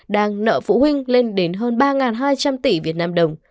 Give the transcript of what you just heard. đang nợ phụ huynh lên đến hơn ba hai trăm linh tỷ vnđ